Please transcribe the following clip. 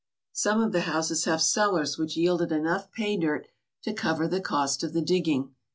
Some of the houses have cellars which yielded enough pay dirt to cover the cost of the digging.